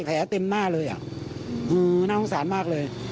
แผลเต็มหน้าเลยอ่ะน่าโทษสานมากเลย